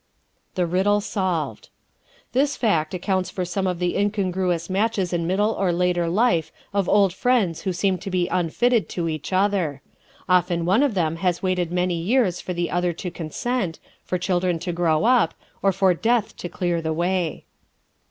The Riddle Solved ¶ This fact accounts for some of the incongruous matches in middle or later life of old friends who seem to be unfitted to each other. Often one of them has waited many years for the other to consent, for children to grow up, or for Death to clear the way.